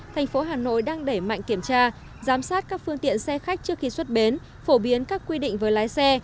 thành phố hà nội đang đẩy mạnh kiểm tra giám sát các phương tiện xe khách trước khi xuất bến phổ biến các quy định với lái xe